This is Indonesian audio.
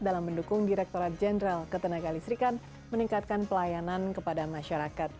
dalam mendukung direkturat jenderal ketenaga listrikan meningkatkan pelayanan kepada masyarakat